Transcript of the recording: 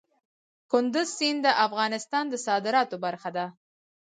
کندز سیند د افغانستان د صادراتو برخه ده.